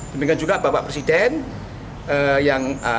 demikian juga bapak presiden yang